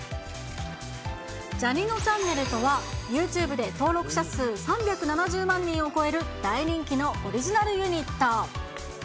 ジャにのちゃんねるとは、ユーチューブで登録者数３７０万人を超える、大人気のオリジナルユニット。